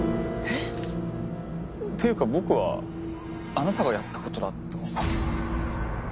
っていうか僕はあなたがやった事だと。